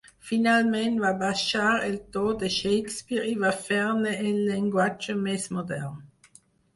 Finalment, va baixar el to de Shakespeare i va fer-ne el llenguatge més modern.